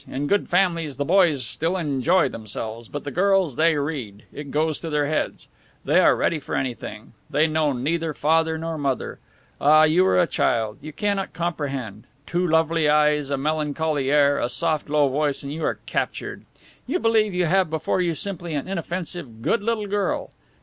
In good families the boys still enjoy themselves; but the girls they read! It goes to their heads. They are ready for anything; they know neither father nor mother. Ah, you are a child, you cannot comprehend. Two lovely eyes, a melancholy air, a soft, low voice, and you are captured you believe you have before you simply an inoffensive, good little girl.